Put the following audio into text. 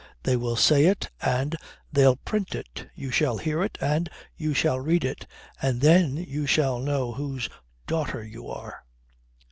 They will say it, and they'll print it. You shall hear it and you shall read it and then you shall know whose daughter you are."